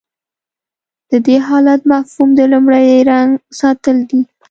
د دې حالت مفهوم د لومړي رنګ ساتل دي.